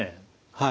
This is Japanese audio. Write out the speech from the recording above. はい。